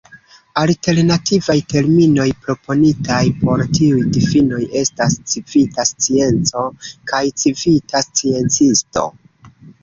Alternativaj terminoj proponitaj por tiuj difinoj estas "civita scienco" kaj "civita sciencisto.